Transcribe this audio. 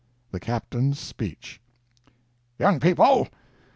THE CAPTAIN'S SPEECH "Young People!